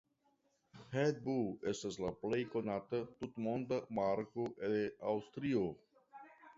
Red Bull estas la plej konata tutmonda marko de Aŭstrio.